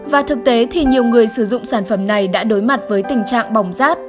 và thực tế thì nhiều người sử dụng sản phẩm này đã đối mặt với tình trạng bỏng rát